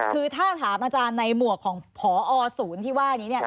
คือถ้าถามอาจารย์ในหมวกของพอศูนย์ที่ว่านี้